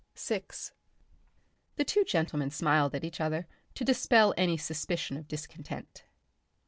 Section 6 The two gentlemen smiled at each other to dispel any suspicion of discontent.